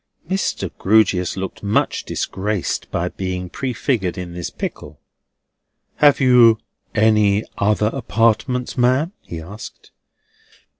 Mr. Grewgious looked much disgraced by being prefigured in this pickle. "Have you any other apartments, ma'am?" he asked.